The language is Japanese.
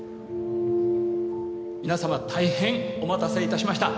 皆さま大変お待たせいたしました。